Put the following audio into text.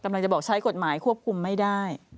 กำลังจะบอกใช้กฎหมายควบคุมไม่ได้